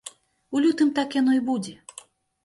У лютым так яно і будзе.